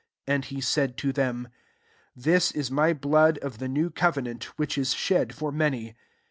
24 And lie said to diem, •* This is my blood of the Tnew] cove Bant, which is «hed for many.